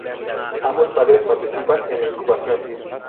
Ambos padres participan en la incubación.